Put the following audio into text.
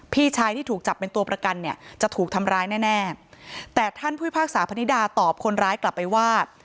พี่ชายที่ถูกจับเป็นตัวประกันเนี่ยจะถูกทำร้ายแน่แน่แต่ท่านผู้พิพากษาพนิดาตอบคนร้ายกลับไปว่า